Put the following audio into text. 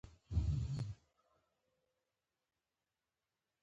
غرمه د یووختي خوښۍ یاد ده